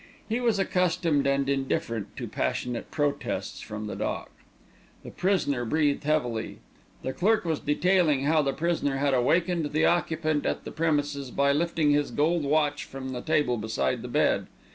He was accustomed and indifferent to passionate protests from the dock. The prisoner breathed heavily. The clerk was detailing how the prisoner had awakened the occupant of the premises by lifting his gold watch from the table beside the bed.